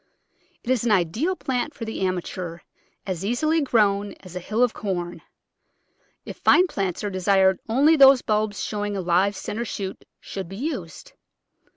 It is an ideal plant for the amateur, as easily grown as a hill of corn. If fine plants are desired only those bulbs showing a live centre shoot should be used.